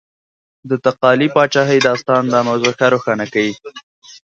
د تقالي پاچاهۍ داستان دا موضوع ښه روښانه کوي.